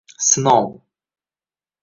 Sinov